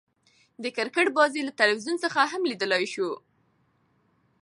د کرکټ بازۍ له تلویزیون څخه هم ليدلاى سو.